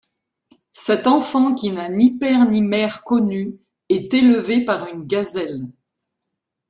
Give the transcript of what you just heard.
Cet enfant qui n'a ni père ni mère connus, est élevé par une gazelle.